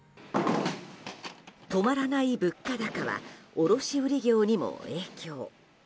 止まらない物価高は卸売業にも影響。